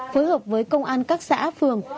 phối hợp với công an các xã phường